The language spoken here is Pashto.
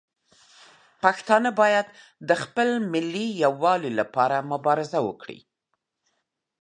پښتانه باید د خپل ملي یووالي لپاره مبارزه وکړي.